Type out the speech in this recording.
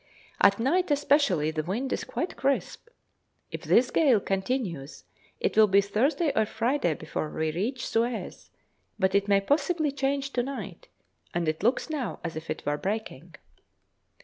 At night especially the wind is quite crisp. If this gale continues, it will be Thursday or Friday before we reach Suez; but it may possibly change to night, and it looks now as if it were breaking.